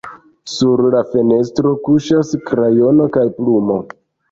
Sur la fenestro kuŝas krajono kaj plumo.